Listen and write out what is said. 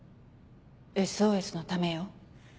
「ＳＯＳ」のためよ。